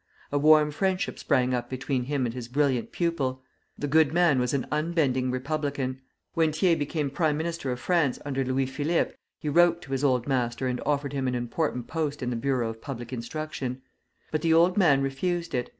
A warm friendship sprang up between him and his brilliant pupil. The good man was an unbending republican. When Thiers became Prime Minister of France under Louis Philippe, he wrote to his old master and offered him an important post in the Bureau of Public Instruction; but the old man refused it.